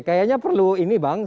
kayaknya perlu ini bang